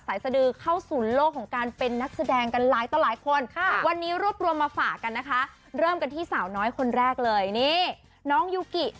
สดือเข้าสู่โลกของการเป็นนักแสดงกันหลายต่อหลายคนค่ะวันนี้รวบรวมมาฝากกันนะคะเริ่มกันที่สาวน้อยคนแรกเลยนี่น้องยูกิ